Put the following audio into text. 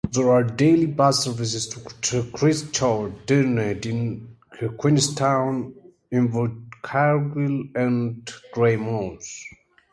There are daily bus services to Christchurch, Dunedin, Queenstown, Invercargill and Greymouth.